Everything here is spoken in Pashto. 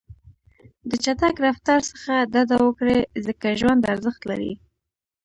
د چټک رفتار څخه ډډه وکړئ، ځکه ژوند ارزښت لري.